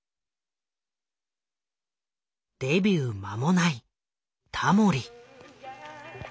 デビュー間もないタモリ。